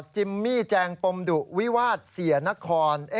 จิมมี่แจงปมดุวิวาสเสียนคร